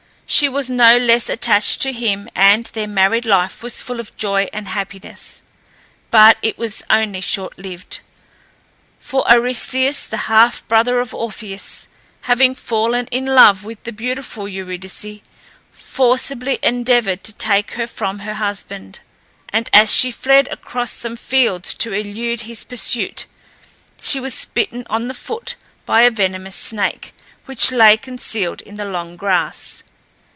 She was no less attached to him, and their married life was full of joy and happiness. But it was only short lived; for Aristæus, the half brother of Orpheus, having fallen in love with the beautiful Eurydice, forcibly endeavoured to take her from her husband, and as she fled across some fields to elude his pursuit, she was bitten in the foot by a venomous snake, which lay concealed in the long grass.